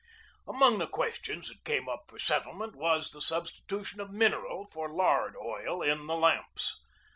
Among the questions that came up for settlement was the substitution of mineral for lard oil in the lamps.